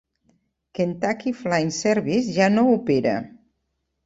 Kentucky Flying Service ja no opera.